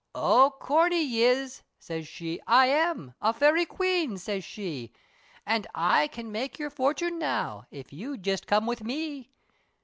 "O Corney yis," siz she, "I am, A Fairy Queen;" siz she, "An' I can make yer fortune now, If you'll just come with me."